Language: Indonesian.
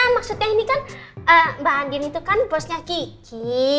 maksudnya ini kan mbak angin itu kan bosnya gigi